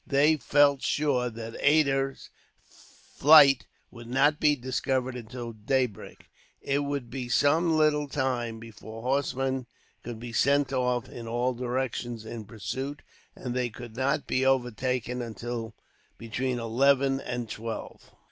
They felt sure that Ada's flight would not be discovered until daybreak. It would be some little time before horsemen could be sent off in all directions, in pursuit; and they could not be overtaken until between eleven and twelve.